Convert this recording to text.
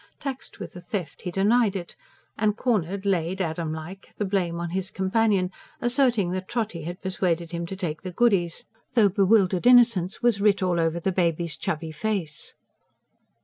Taxed with the theft he denied it; and cornered, laid, Adam like, the blame on his companion, asserting that Trotty had persuaded him to take the goodies; though bewildered innocence was writ all over the baby's chubby face.